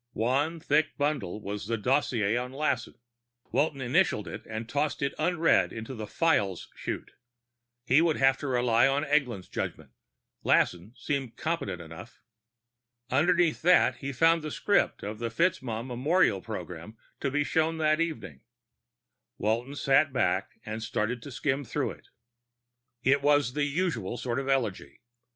One thick bundle was the dossier on Lassen; Walton initialed it and tossed it unread into the Files chute. He would have to rely on Eglin's judgement; Lassen seemed competent enough. Underneath that, he found the script of the FitzMaugham memorial program to be shown that evening. Walton sat back and started to skim through it. It was the usual sort of eulogy.